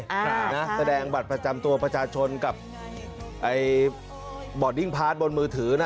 ครับนะแสดงบัตรประจำตัวประชาชนกับไอ้บอดดิ้งพาร์ทบนมือถือน่ะ